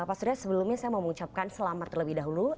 pak surya sebelumnya saya mau mengucapkan selamat terlebih dahulu